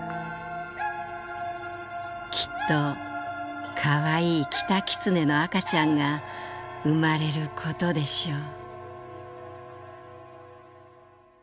「きっとかわいいキタキツネの赤ちゃんが生まれることでしょう」。